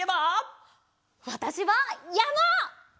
わたしはやま！